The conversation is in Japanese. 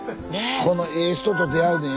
このええ人と出会うねん。